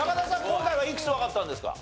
今回はいくつわかったんですか？